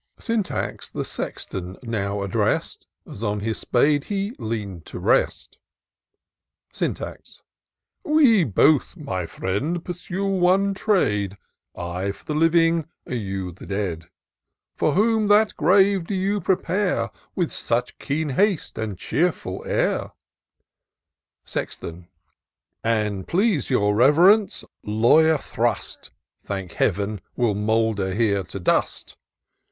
Sjnitax the Sexton now addressed. As on his spade he lean'd to rest. Syntax. " We both, my fi:iend, pursue one trade, I for the living, you the dead. For whom that grave do you prepare With such keen haste and cheerful air ?" IN SEARCH OF THE PICTURESQUE. 79 Sexton. "An* please yourRev'rence, Latvyer Thrust, Thank Heav'n ! will moulder here to dust.